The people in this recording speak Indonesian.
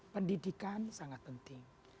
pendidikan sangat penting